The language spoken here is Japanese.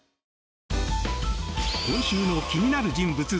今週の気になる人物